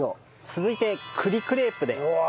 続いて栗クレープで。